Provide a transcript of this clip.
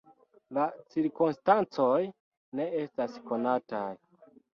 La cirkonstancoj ne estas konataj.